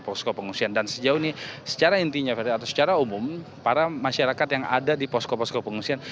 posko pengungsian dan sejauh ini secara intinya ferry atau secara umum para masyarakat yang ada di posko posko pengungsian